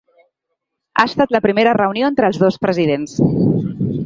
Ha estat la primera reunió entre els dos presidents.